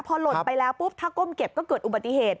พอหล่นไปแล้วปุ๊บถ้าก้มเก็บก็เกิดอุบัติเหตุ